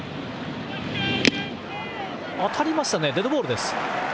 当たりましたね、デッドボールです。